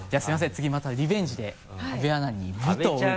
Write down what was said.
次またリベンジで阿部アナに「み」と「う」で。